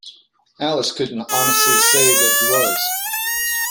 Alice couldn’t say honestly that he was.